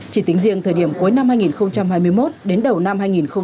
chỉ tính riêng thời điểm cuối năm hai nghìn hai mươi một đến đầu năm hai nghìn hai mươi ba